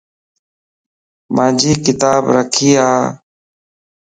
مانجي ڪتاب رکي ا